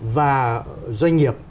và doanh nghiệp